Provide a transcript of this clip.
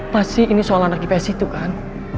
pasti ini soal anak gps itu kan